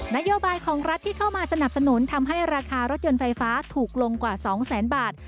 นโยบายของรัฐที่เข้ามาสนับสนุนทำให้ราคารถยนต์ไฟฟ้าถูกลงกว่า๒แสนบาท